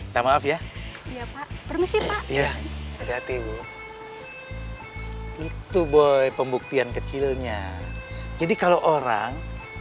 ya iya itu boy pembuktian kecilnya jadi kalau orang